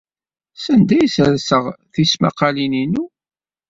Sanda ay sserseɣ tismaqqalin-inu?